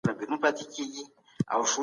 کتابونه د غولولو لپاره مه کاروئ.